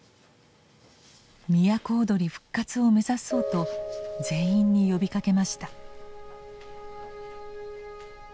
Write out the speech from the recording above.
都をどり復活を目指そうと全員に呼びかけました。